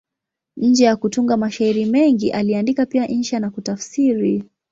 Nje ya kutunga mashairi mengi, aliandika pia insha na kutafsiri.